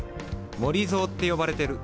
「森ぞー」って呼ばれてる。